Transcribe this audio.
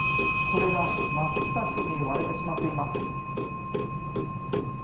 これが真っ二つに割れてしまっています。